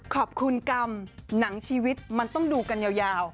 ขอบคุณกรรมหนังชีวิตมันต้องดูกันยาว